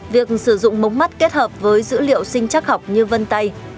việc sử dụng mống mắt kết hợp với dữ liệu sinh chắc học như vân tay